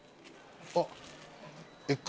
あっ。